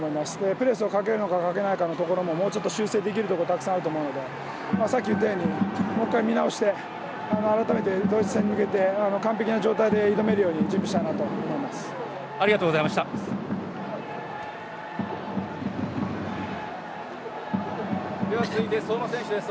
プレスをかけるのかかけないかのところももうちょっと修正できると思うのでさっき言ったようにもう一回、見直して改めて、ドイツ戦に向けて完璧な状態で挑めるように準備したいと思います。